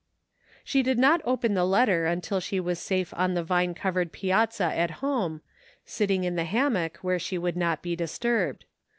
She did not open the letter imtil she was safe on the vine covered piazza at home, sitting in the ham mock where she would not be disturbed.